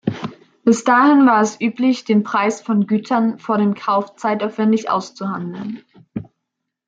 Bis dahin war es üblich, den Preis von Gütern vor dem Kauf zeitaufwendig auszuhandeln.